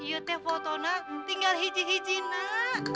waduh nek ya teh fotonya tinggal hiji hiji nak